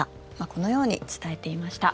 このように伝えていました。